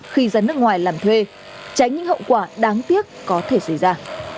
khi ra nước ngoài làm thuê tránh những hậu quả đáng tiếc có thể xảy ra